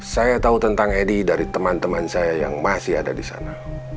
saya tahu tentang edi dari teman teman saya yang masih ada di sana